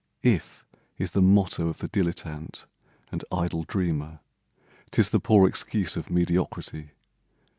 "If" is the motto of the dilettante And idle dreamer; 'tis the poor excuse Of mediocrity.